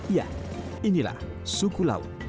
ya inilah suku laut